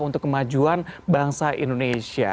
untuk kemajuan bangsa indonesia